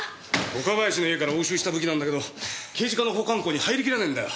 岡林の家から押収した武器なんだけど刑事課の保管庫に入りきらねえんだよ。